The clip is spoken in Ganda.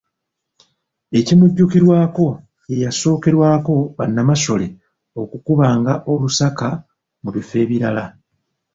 Ekimujjukirwako, ye yasookerwako Bannamasole okukubanga Olusaka mu bifo ebirala.